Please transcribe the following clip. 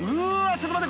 ちょっと待って！